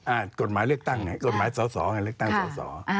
อ่ากฎหมายเลือกตั้งเนี่ยกฎหมายสอเลือกตั้งสอ